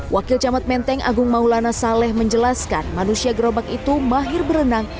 wakil camat menteng agung maulana saleh menjelaskan manusia gerobak itu mahir berenang